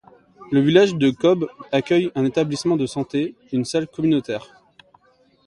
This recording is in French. Le village de Kob accueille un établissement de santé, une salle communautaire.